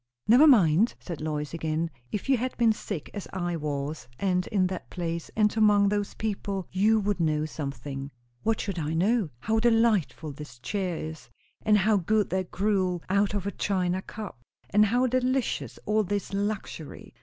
"Never mind!" said Lois again. "If you had been sick as I was, and in that place, and among those people, you would know something." "What should I know?" "How delightful this chair is; and how good that gruel, out of a china cup; and how delicious all this luxury!